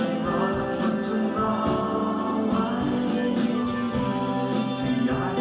นูโดยเทียด